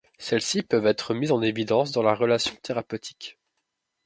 Celles-ci peuvent être mises en évidence dans la relation thérapeutique.